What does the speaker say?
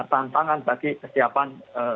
tantangan bagi kesiapan